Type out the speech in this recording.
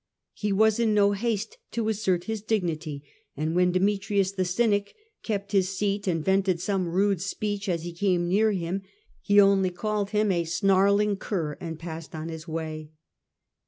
He was in no haste to assert his dignity, and when Demetrius the Cynic kept his seat and vented some rude speech as he came near him, he only called him 'a snarling cur^ and passed on his way.